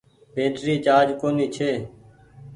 بيٽري چآرج ڪونيٚ ڇي۔